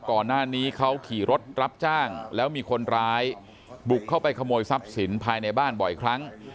ก่อนหน้านี้เขาขี่รถรับจ้างแล้วมีคนร้ายบุกเข้าไปขโมยทรัพย์สินภายในบ้านบ่อยครั้ง